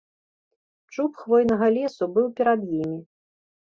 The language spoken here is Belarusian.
Чуб хвойнага лесу быў перад імі.